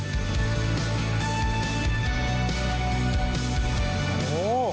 โอ้โห